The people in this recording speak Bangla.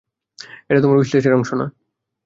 এটা তোমার উইশ লিস্টের অংশ না।